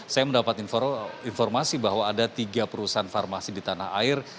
saya mendapat informasi bahwa ada tiga perusahaan farmasi di tanah air